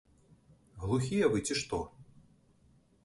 Глухія вы, ці што?